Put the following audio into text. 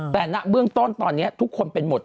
แต่ณเบื้องต้นตอนนี้ทุกคนเป็นหมด